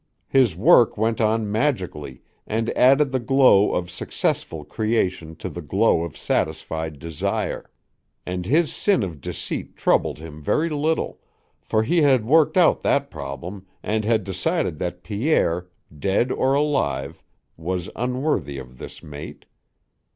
His work went on magically and added the glow of successful creation to the glow of satisfied desire. And his sin of deceit troubled him very little, for he had worked out that problem and had decided that Pierre, dead or alive, was unworthy of this mate.